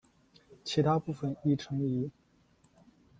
其他部分亦存疑。